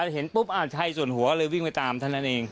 ถ้าเช็คมันปุ๊บอะไรใช่ส่วนหัวก็เลยวิ่งไปตามทั้งนั้นเอง